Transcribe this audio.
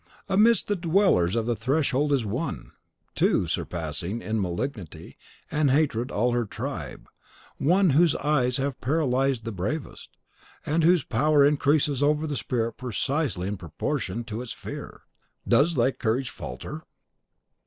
Amidst the dwellers of the threshold is ONE, too, surpassing in malignity and hatred all her tribe, one whose eyes have paralyzed the bravest, and whose power increases over the spirit precisely in proportion to its fear. Does thy courage falter?"